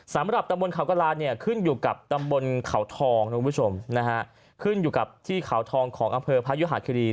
สำหรับตำบลเขากระลาเนี่ยขึ้นอยู่กับตำบลเขาทองคุณผู้ชมนะฮะขึ้นอยู่กับที่เขาทองของอำเภอพยุหาคิรี